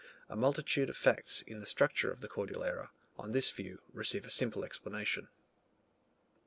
A multitude of facts in the structure of the Cordillera, on this view receive a simple explanation.